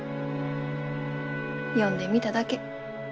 呼んでみただけ。